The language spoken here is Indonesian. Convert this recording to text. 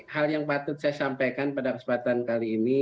hal yang patut saya sampaikan pada kesempatan kali ini